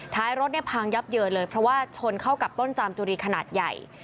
ท้ายรถเนี่ยพังยับเยินเลยเพราะว่าชนเข้ากับต้นจามจุรีขนาดใหญ่